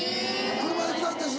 「車で来たんです」